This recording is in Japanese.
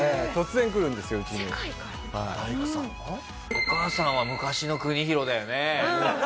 お母さんは昔のクニヒロだよね。